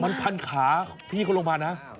มันพันขาพี่เขาลงมานะ